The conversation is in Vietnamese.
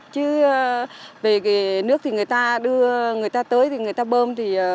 chứ về nước người ta đưa người ta tới người ta bơm